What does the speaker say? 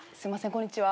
こんにちは。